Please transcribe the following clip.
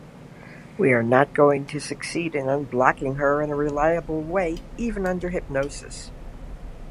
We are not going to succeed in unblocking her in a reliable way, even under hypnosis.